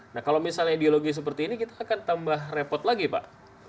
nah kalau misalnya ideologi seperti ini kita akan tambah repot lagi pak